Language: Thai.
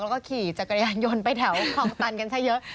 แล้วก็ขี่จักรยานยนต์ไปแถวคลองตันกันซะเยอะ